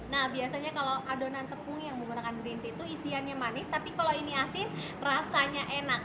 nah biasanya kalau adonan tepung yang menggunakan green tea itu isiannya manis tapi kalau ini asin rasanya enak